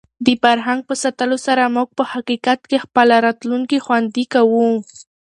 د فرهنګ په ساتلو سره موږ په حقیقت کې خپله راتلونکې خوندي کوو.